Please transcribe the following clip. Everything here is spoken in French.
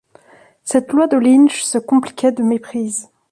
Cette loi de Lynch se compliquait de méprises.